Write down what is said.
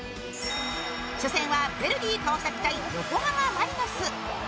初戦はヴェルディ×横浜マリノス。